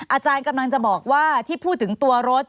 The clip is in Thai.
อาจารย์กำลังจะบอกว่าที่พูดถึงตัวรถ